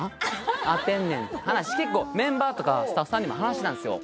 話結構メンバーとかスタッフさんにも話してたんですよ